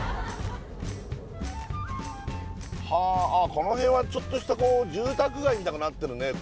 この辺はちょっとした住宅街みたくなってるね